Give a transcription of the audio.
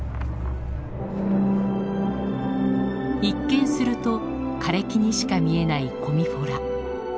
一見すると枯れ木にしか見えないコミフォラ。